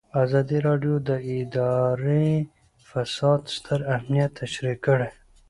ازادي راډیو د اداري فساد ستر اهميت تشریح کړی.